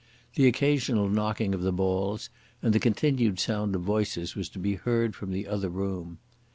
The occasional knocking of the balls, and the continued sound of voices was to be heard from the other room.